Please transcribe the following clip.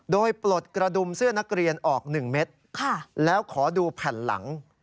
โดยปลดกระดุมเสื้อนักเรียนออก๑เม็ดแล้วขอดูแผ่นหลัง